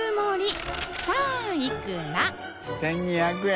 １５００円。